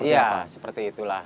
iya seperti itulah